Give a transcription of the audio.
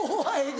はい！